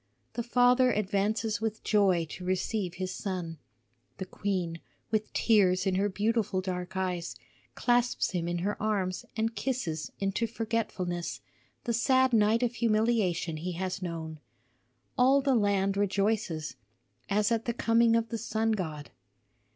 The father advances with joy to receive his son. The queen, with tears in her beautiful dark eyes, clasps him in her arms and kisses into forgetfulness the sad night of humiliation he has known. All the land rejoices as at the coming of the sun god.